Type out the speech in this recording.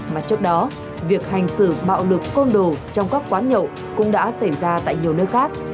mà trước đó việc hành xử bạo lực côn đồ trong các quán nhậu cũng đã xảy ra tại nhiều nơi khác